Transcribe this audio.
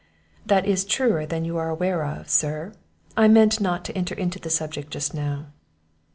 "That is truer than you are aware of, sir; I meant not to enter into the subject just now."